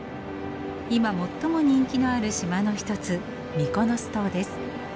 今最も人気のある島の一つミコノス島です。